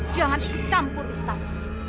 jangan kicam kur ustaz